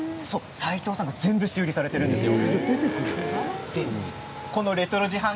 斎藤さんが全部修理されているんですよ。